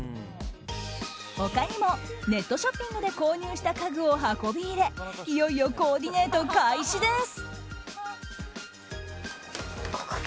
他にも、ネットショッピングで購入した家具を運び入れいよいよコーディネート開始です。